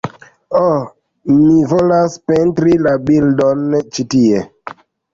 Oh, mi volas pentri la bildon ĉi tie